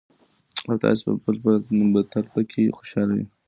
او تاسې به پکې تل خوشحاله اوسئ.